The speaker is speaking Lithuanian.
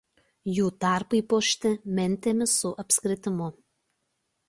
Jų tarpai puošti mentėmis su apskritimu.